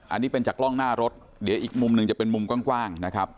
อันนี้เป็นจากกล้องหน้ารถเดี๋ยวอีกมุมหนึ่งจะเป็นมุมกว้างนะครับ